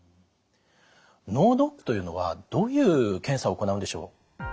脳ドックというのはどういう検査を行うんでしょう？